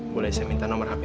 boleh saya minta nomer hp nya